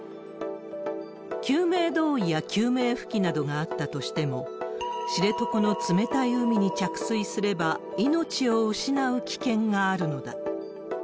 救命胴衣や救命浮器などがあったとしても、知床の冷たい海に着水すれば、命を失う危険があるのだ。